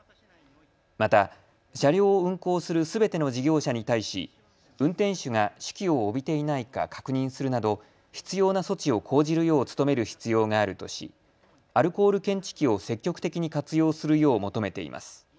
また、車両を運行するすべての事業者に対し運転手が酒気を帯びていないか確認するなど必要な措置を講じるよう努める必要があるとしアルコール検知器を積極的に活用するよう求めています。